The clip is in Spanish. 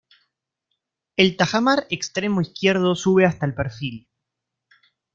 El tajamar extremo izquierdo sube hasta el perfil.